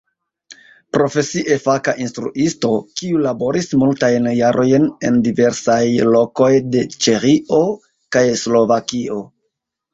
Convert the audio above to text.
Profesie faka instruisto, kiu laboris multajn jarojn en diversaj lokoj de Ĉeĥio kaj Slovakio.